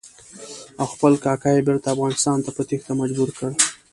او خپل کاکا یې بېرته افغانستان ته په تېښته مجبور کړ.